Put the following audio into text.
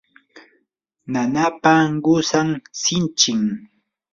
nanaapa qusan sinchim.